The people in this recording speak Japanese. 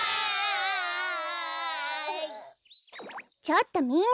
ちょっとみんな！